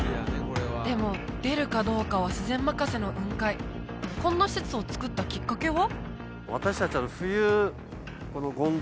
でも出るかどうかは自然任せの雲海こんな施設をつくったきっかけは？